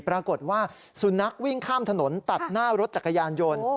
ปรากฏว่าสุนัขวิ่งข้ามถนนตัดหน้ารถจักรยานยนต์